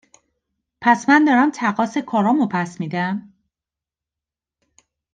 پس من دارم تقاص کارام رو پس می دم؟